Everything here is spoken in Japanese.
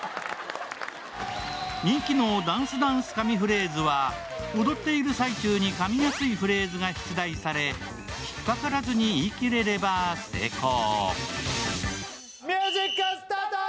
人気の「ダンスダンス噛みフレーズ」は踊っている最中にかみやすいフレーズが出題され、引っかからずに言い切れれば成功。